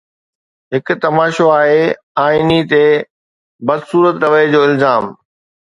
هڪ تماشو آهي، آئيني تي بدصورت رويي جو الزام